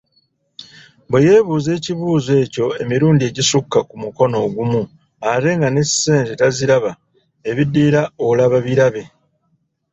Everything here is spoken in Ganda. Bwe yeebuuza ekibuuzo ekyo emirundi egisukka ku mukono ogumu ate nga n'esente taziraba ebiddirira olaba birabe!